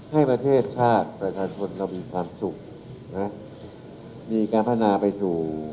ให้ประเทศชาติประชาชนเรามีความสุขนะมีการพัฒนาไปสู่